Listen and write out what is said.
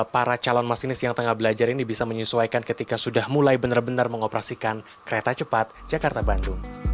para calon masinis yang tengah belajar ini bisa menyesuaikan ketika sudah mulai benar benar mengoperasikan kereta cepat jakarta bandung